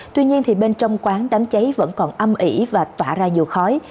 tuy nhiên bên trong quán đám cháy vẫn còn âm ỉ và tỏa ra nhiều khói